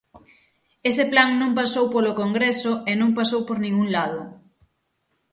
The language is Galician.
Ese plan non pasou polo Congreso e non pasou por ningún lado.